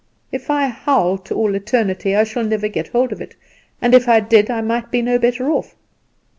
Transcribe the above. If I howl to all eternity I shall never get hold of it; and if I did I might be no better off.